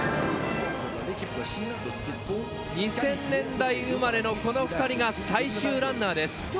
２０００年代生まれのこの２人が最終ランナーです。